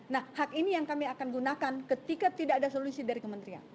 nah hak ini yang kami akan gunakan ketika tidak ada solusi dari kementerian